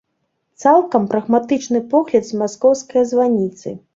Цалкам прагматычны погляд з маскоўскае званіцы.